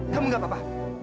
kamu gak apa apa